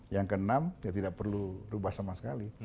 yang keenam ya tidak perlu rubah sama sekali